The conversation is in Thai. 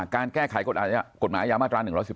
การแก้ไขกฎหมายยามาตรา๑๑๒